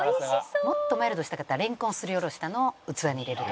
もっとマイルドにしたかったらレンコンをすり下ろしたのを器に入れると。